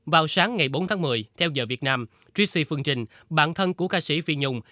vào sáng ngày bốn tháng một mươi theo giờ việt nam tritsy phương trinh bạn thân của ca sĩ phi nhung